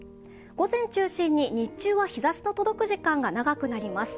午前中心に日中は日ざしの届く時間が長くなります。